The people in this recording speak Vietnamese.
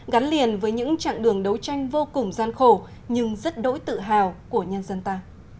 gắn liền với những trạng đường đấu tranh vô cùng gian khổ nhưng rất đỗi tự hào của nhân dân ta